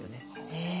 へえ。